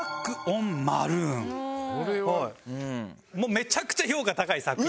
めちゃくちゃ評価高い作品。